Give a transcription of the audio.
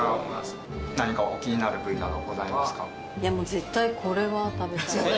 絶対これは食べたい。